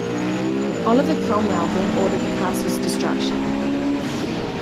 Oliver Cromwell then ordered the castle's destruction.